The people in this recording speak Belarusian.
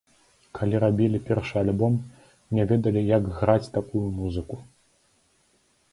Калі рабілі першы альбом, не ведалі як граць такую музыку.